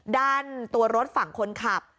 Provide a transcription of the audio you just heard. ด้านตัวรถฝั่งคนขับ